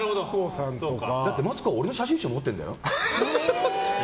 だってマツコは俺の写真集持ってるんだよ！